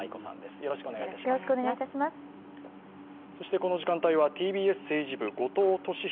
この時間帯はＴＢＳ政治部後藤俊広